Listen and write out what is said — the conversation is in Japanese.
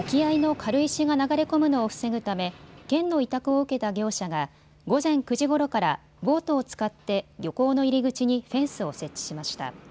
沖合の軽石が流れ込むのを防ぐため県の委託を受けた業者が午前９時ごろからボートを使って漁港の入り口にフェンスを設置しました。